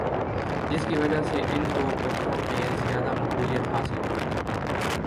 جس کی وجہ سے ان کو بچوں میں زیادہ مقبولیت حاصل ہوئی